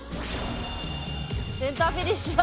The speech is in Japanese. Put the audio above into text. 「センターフィニッシュだ」